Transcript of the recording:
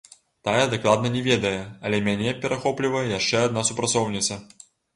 Тая дакладна не ведае, але мяне перахоплівае яшчэ адна супрацоўніца.